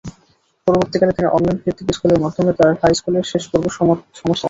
পরবর্তীকালে তিনি অনলাইন ভিত্তিক স্কুলের মাধ্যমে তার হাই স্কুলের শেষ বর্ষ সমাপ্ত করেন।